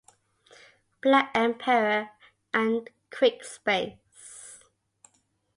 Black Emperor and Quickspace.